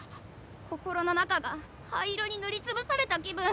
心の中が灰色にぬりつぶされた気分！